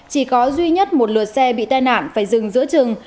chỉ có duy nhất một lượt xe bị tai nạn phải dừng giữa chừng